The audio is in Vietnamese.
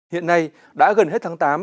hiện nay đã gần hết tháng tám